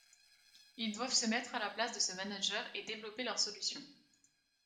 Ils doivent se mettre à la place de ce manager et développer leur solution.